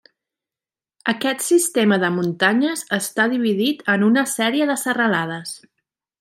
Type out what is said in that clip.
Aquest sistema de muntanyes està dividit en una sèrie de serralades.